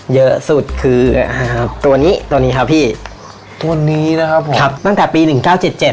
เยอะสุดคือตัวนี้ตัวนี้ครับพี่ตัวนี้นะครับผมครับตั้งแต่ปี๑๙๗๗ครับ